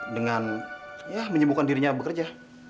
dengan ya menyembuhkan dirinya bekerja